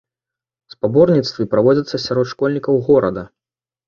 Спаборніцтвы праводзяцца сярод школьнікаў горада.